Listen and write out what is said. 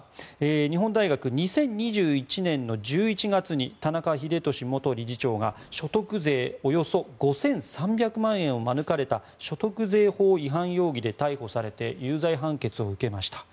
日本大学、２０２１年の１１月に田中英寿元理事長が所得税およそ５３００万円を免れた所得税法違反容疑で逮捕されて有罪判決を受けました。